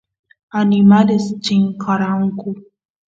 animales chinkaranku